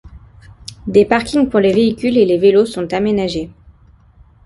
Des parkings pour les véhicules et les vélos sont aménagés.